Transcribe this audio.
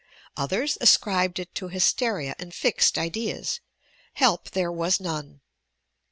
Others ascribed it to hysteria and fixed ideas — help there was none.